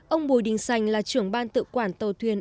ông bùi đình sành là trưởng ban tự quản tàu thuyền